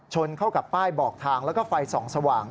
ชนเข้ากับป้ายบอกทางแล้วก็ไฟส่องสว่าง